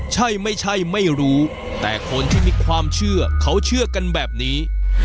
ใช่ไม่ใช่ไม่รู้แต่คนที่มีความเชื่อเขาเชื่อกันแบบนี้